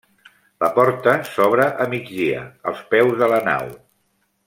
La porta s'obre a migdia, als peus de la nau.